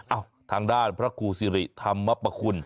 ทางด้านพระครูสิริธรรมปคุณ